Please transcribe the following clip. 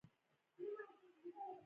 پیشو مې په ځیر ځان پاکوي.